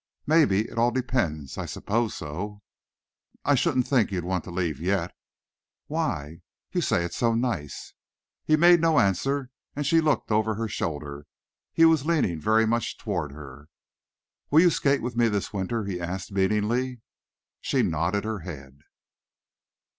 "Maybe. It all depends. I suppose so." "I shouldn't think you'd want to leave yet." "Why?" "You say it's so nice." He made no answer and she looked over her shoulder. He was leaning very much toward her. "Will you skate with me this winter?" he asked meaningly. She nodded her head.